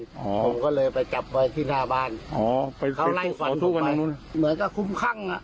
ผมก็เลยไปจับไว้ที่หน้าบ้านเขาไล่ฟันผมไปเหมือนกับคุ้มคั่ง